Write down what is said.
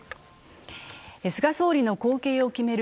菅総理の後継を決める